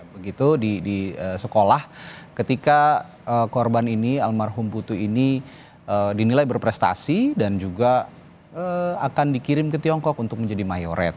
begitu di sekolah ketika korban ini almarhum putu ini dinilai berprestasi dan juga akan dikirim ke tiongkok untuk menjadi mayoret